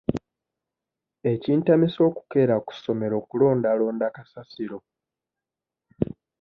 Ekintamisa okukeera ku ssomero kulondalonda kasasiro.